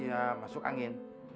ya masuk angin